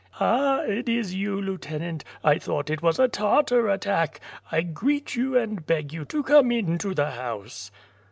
"Ah! it is you, Lieutenant; I thought it was a Tartar at tack. I greet you and beg you to come into the house.